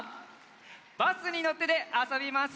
「バスにのって」であそびますよ。